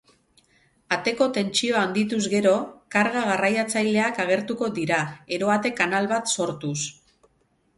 Ateko tentsioa handituz gero, karga-garraiatzaileak agertuko dira, eroate-kanal bat sortuz.